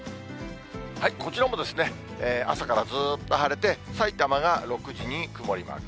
こちらも朝からずーっと晴れて、さいたまが６時に曇りマーク。